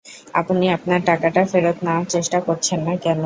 আপনি আপনার টাকাটা ফেরত নেওয়ার চেষ্টা করছেন না কেন?